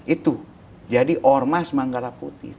itu jadi ormas manggara putih